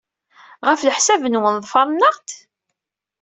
Ɣef leḥsab-nwen, ḍefren-aɣ-d?